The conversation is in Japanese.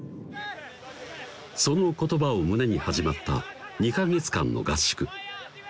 その言葉を胸に始まった２か月間の合宿